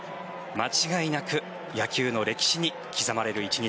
間違いなく野球の歴史に刻まれる１日。